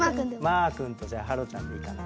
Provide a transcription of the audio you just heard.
まーくんとじゃあはろちゃんでいいかな？